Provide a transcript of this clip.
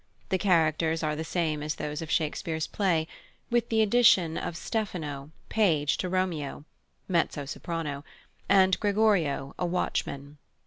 The characters are the same as those of Shakespeare's play, with the addition of Stephano, page to Romeo (mez. sop.), and Gregorio, a watchman.